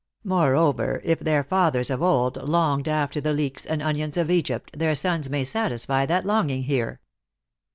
Moreover, if their fathers of old longed after the leeks and onions of Egypt, their sons may satisfy that longing here."